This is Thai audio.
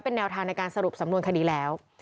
แนวทางในการสรุปสำนวนคดีแล้ว